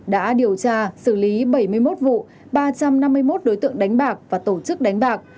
đã điều tra xử lý bảy mươi một vụ ba trăm năm mươi một đối tượng đánh bạc và tổ chức đánh bạc